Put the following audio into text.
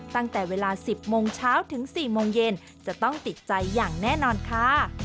ตั้งแต่เวลา๑๐โมงเช้าถึง๔โมงเย็นจะต้องติดใจอย่างแน่นอนค่ะ